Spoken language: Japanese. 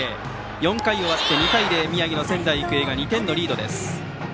４回終わって２対０と宮城の仙台育英が２点リードです。